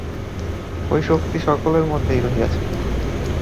ঐ শক্তি সকলের মধ্যেই রহিয়াছে।